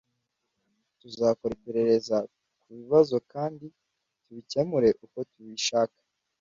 Tuzakora iperereza kubibazo kandi tubikemure uko tubishaka